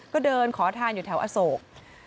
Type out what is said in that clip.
ก็เดินขอทานอยู่แถวอโศก